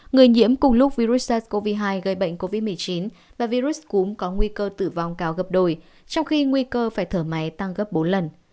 người nhiễm cùng lúc virus sars cov hai gây bệnh covid một mươi chín và virus cúm có nguy cơ tử vong cao gấp đổi trong khi nguy cơ phải thở máy tăng gấp bốn lần